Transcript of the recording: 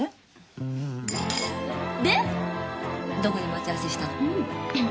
どこで待ち合わせしたの？